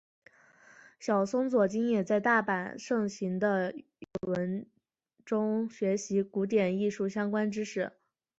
小松左京也在大阪盛行的文乐中学习古典艺术相关知识。